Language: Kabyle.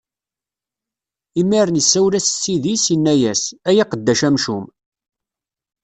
Imiren isawel-as ssid-is, inna-as: Ay aqeddac amcum!